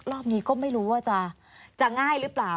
รอบนี้ก็ไม่รู้ว่าจะง่ายหรือเปล่า